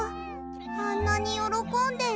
あんなによろこんでる。